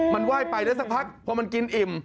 มันไหว้ไปแล้วสักพักพอมันกินอิ่ม